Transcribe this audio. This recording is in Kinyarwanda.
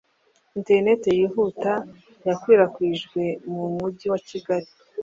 Internet yihuta yakwirakwijwe mu mujyi wa Kigali